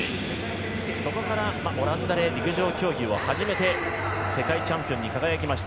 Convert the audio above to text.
そこからオランダで陸上競技を始めて世界チャンピオンに輝きました。